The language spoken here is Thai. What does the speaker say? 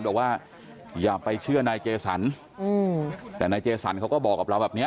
บอกว่าอย่าไปเชื่อนายเจสันแต่นายเจสันเขาก็บอกกับเราแบบนี้